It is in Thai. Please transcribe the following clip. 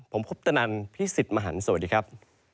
ผมพุทธนันทร์พี่สิทธิ์มหันศ์สวัสดีครับ